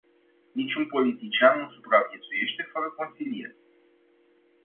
Niciun politician nu supraviețuiește fără consilieri.